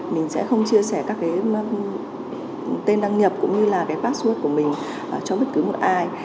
mình sẽ không chia sẻ các tên đăng nhập cũng như là password của mình cho bất cứ một ai